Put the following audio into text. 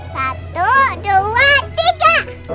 satu dua tiga